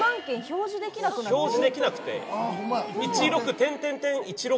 表示できなくて「１６１６」。